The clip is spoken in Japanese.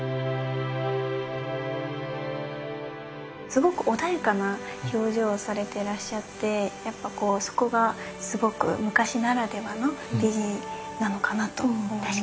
すごく穏やかな表情をされてらっしゃってやっぱそこがすごく昔ならではの美人なのかなと思います。